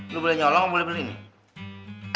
lo boleh nyolong atau boleh beli nih